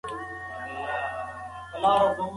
تاسي ولي د شکر پر ځای په غوسه کي بوخت یاست؟